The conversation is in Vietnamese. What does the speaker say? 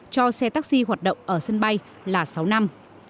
cho xe taxi hoạt động ở sân bay là sáu năm